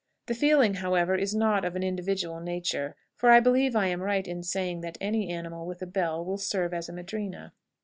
The feeling, however, is not of an individual nature, for I believe I am right in saying that any animal with a bell will serve as a madrina."